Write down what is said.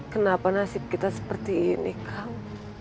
kenapa nasib kita seperti ini kang